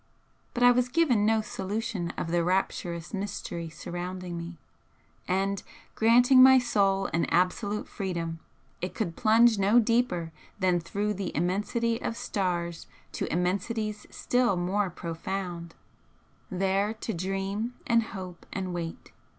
But I was given no solution of the rapturous mystery surrounding me, and granting my soul an absolute freedom, it could plunge no deeper than through the immensity of stars to immensities still more profound, there to dream and hope and wait.